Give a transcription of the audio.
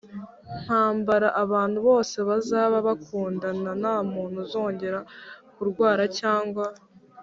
ntambara Abantu bose bazaba bakundana Nta muntu uzongera kurwara cyangwa